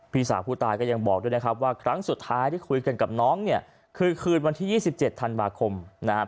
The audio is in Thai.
พี่สาวผู้ตายก็ยังบอกด้วยนะครับว่าครั้งสุดท้ายที่คุยกันกับน้องเนี่ยคือคืนวันที่๒๗ธันวาคมนะครับ